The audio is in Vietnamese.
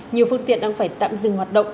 nhiều phương tiện đang phải tạm dừng hoạt động